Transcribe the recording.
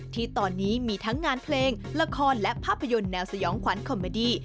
ที่ตอนนี้มีทั้งงานเพลงละครและภาพยนตร์แนวสยองขวัญคอมเมอดี้